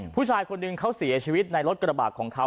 ผู้ชายคนหนึ่งเขาเสียชีวิตในรถกระบาดของเขา